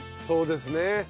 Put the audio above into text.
そうですね。